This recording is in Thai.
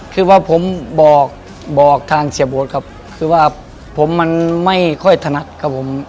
คือว่าผมบอกบอกทางเสียโบ๊ทครับคือว่าผมมันไม่ค่อยถนัดครับผม